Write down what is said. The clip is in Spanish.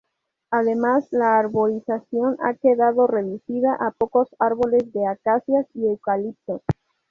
Además la arborización ha quedado reducida a pocos árboles de Acacias y Eucaliptos.